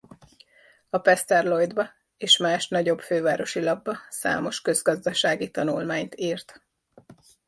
A Pester Lloydba és más nagyobb fővárosi lapba számos közgazdasági tanulmányt írt.